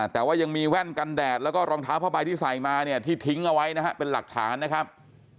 แต่ว่ายังมีแว่นกันแดดแล้วก็รองเท้าผ้าใบที่ใส่มาเนี่ยที่ทิ้งเอาไว้นะฮะเป็นหลักฐานนะครับ